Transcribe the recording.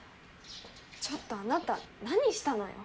ちょっとあなた何したのよ？